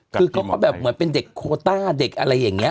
คือก็แบบเหมือนเด็กโครต้าเด็กอะไรอย่างเงี่ย